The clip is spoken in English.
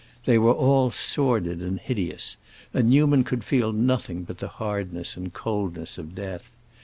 They were all sordid and hideous, and Newman could feel nothing but the hardness and coldness of death.